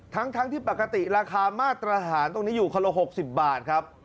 ทั้งที่ปกติราคามาตรฐานตรงนี้อยู่คนละ๖๐บาทครับ